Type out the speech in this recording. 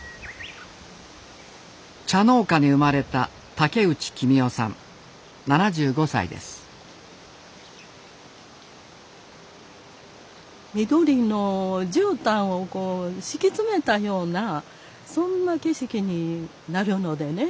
茶農家に生まれた緑のじゅうたんをこう敷き詰めたようなそんな景色になるのでね